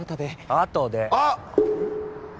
あとであっ！